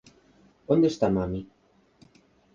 Onde está mami?